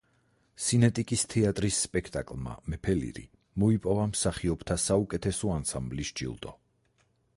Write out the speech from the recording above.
სინეტიკის თეატრის სპექტაკლმა „მეფე ლირი“ მოიპოვა მსახიობთა საუკეთესო ანსამბლის ჯილდო.